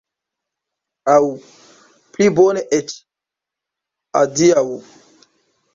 Aŭ, pli bone eĉ, adiaŭ!